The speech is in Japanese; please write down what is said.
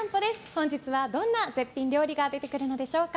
本日はどんな絶品料理が出てくるのでしょうか。